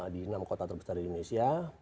di enam kota terbesar di indonesia